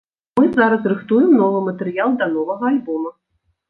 Мы зараз рыхтуем новы матэрыял да новага альбома.